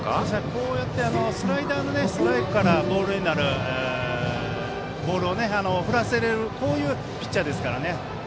こうやってスライダーのストライクからボールになるボールを振らせられるこういうピッチャーですからね。